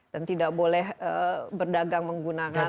dan tidak boleh berdagang menggunakan